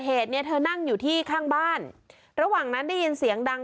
เหตุเนี่ยเธอนั่งอยู่ที่ข้างบ้านระหว่างนั้นได้ยินเสียงดัง